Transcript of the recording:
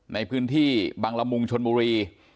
ในพื้นที่บังละมุงชนบุรี